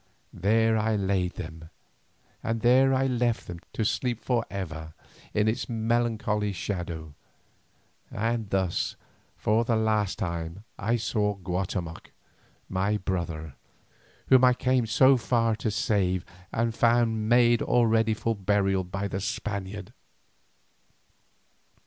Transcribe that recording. There I laid them, and there I left them to sleep for ever in its melancholy shadow, and thus for the last time I saw Guatemoc my brother, whom I came from far to save and found made ready for burial by the Spaniard.